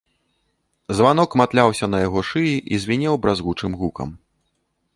Званок матляўся на яго шыі і звінеў бразгучым гукам.